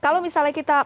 kalau misalnya kita